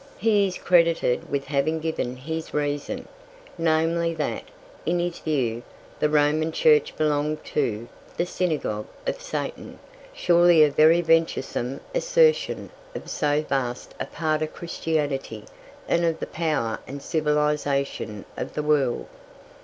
He is credited with having given his reason, namely, that, in his view, the Roman Church belonged to "the synagogue of Satan" surely a very venturesome assertion of so vast a part of Christianity and of the power and civilization of the world.